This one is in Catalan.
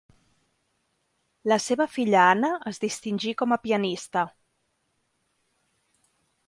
La seva filla Anna es distingí com a pianista.